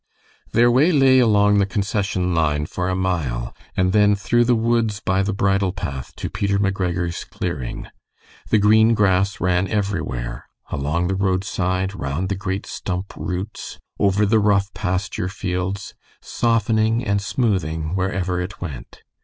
Their way lay along the concession line for a mile, and then through the woods by the bridle path to Peter McGregor's clearing. The green grass ran everywhere along the roadside, round the great stump roots, over the rough pasture fields, softening and smoothing wherever it went.